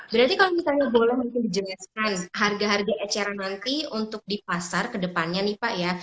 berarti kalau misalnya boleh mungkin dijelaskan harga harga eceran nanti untuk di pasar ke depannya nih pak ya